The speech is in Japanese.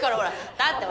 立ってほら。